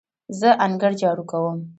زه انګړ جارو کوم.